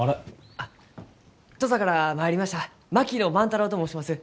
あっ土佐から参りました槙野万太郎と申します。